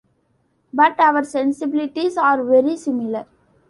But our sensibilities are very similar.